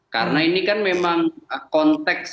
karena ini kan memang konteks